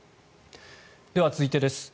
では、続いてです。